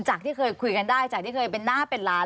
ที่เคยคุยกันได้จากที่เคยเป็นหน้าเป็นล้าน